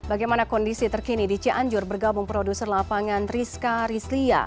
bagaimana kondisi terkini di cianjur bergabung produser lapangan rizka rizlia